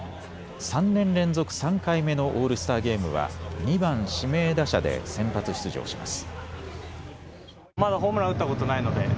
３年連続３回目のオールスターゲームは２番・指名打者で先発出場します。